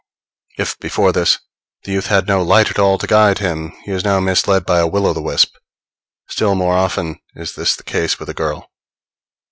If, before this, the youth had no light at all to guide him, he is now misled by a will o' the wisp; still more often is this the case with a girl.